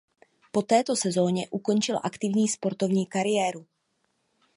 Po této sezóně ukončil aktivní sportovní kariéru.